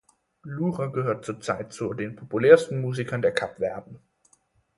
Lura gehört zurzeit zu den populärsten Musikern der Kapverden.